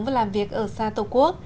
và làm việc ở xa tổ quốc